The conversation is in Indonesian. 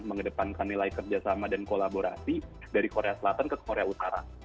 mengedepankan nilai kerjasama dan kolaborasi dari korea selatan ke korea utara